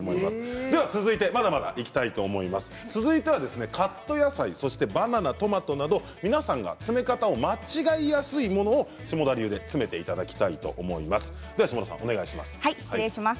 続いては、カット野菜バナナ、トマトなど皆さんが詰め方を間違えやすいものを下田流で失礼します。